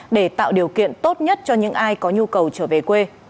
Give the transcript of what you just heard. để tạo điều kiện tốt nhất cho những ai có nhu cầu trở về quê